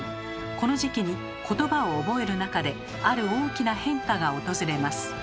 この時期に言葉を覚える中である大きな変化が訪れます。